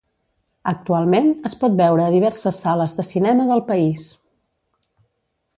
Actualment, es pot veure a diverses sales de cinema del país.